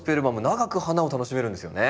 長く花を楽しめるんですよね？